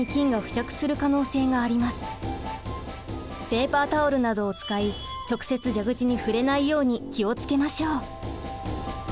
ペーパータオルなどを使い直接蛇口に触れないように気を付けましょう。